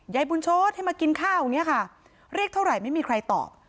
ใยบุญชธิ์ให้มากินข้าวเนี่ยค่ะเรียกเท่าไรไม่มีใครตอบ